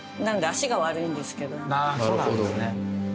そうなんですね。